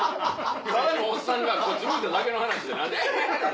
ただのおっさんがこっち向いただけの話で何でアハハ！なる？